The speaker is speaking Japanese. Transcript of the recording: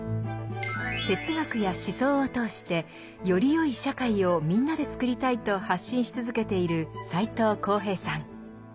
哲学や思想を通してよりよい社会をみんなでつくりたいと発信し続けている斎藤幸平さん。